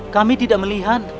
kami tidak melihat